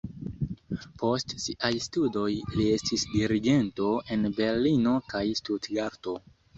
Post siaj studoj li estis dirigento en Berlino kaj Stutgarto.